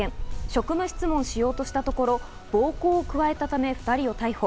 職務質問しようとしたところ、暴行を加えたため、２人を逮捕。